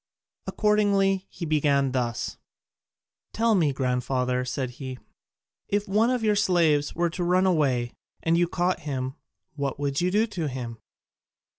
Accordingly he began thus: "Tell me, grandfather," said he, "if one of your slaves were to run away, and you caught him, what would you do to him?"